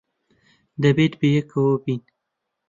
دەبێت بەیەکەوە بین.